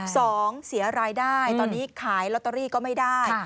เสียรายได้ตอนนี้ขายลอตเตอรี่ก็ไม่ได้